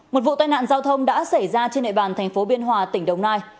một vụ tai nạn giao thông đã xảy ra trên địa bàn thành phố biên hòa tỉnh đồng nai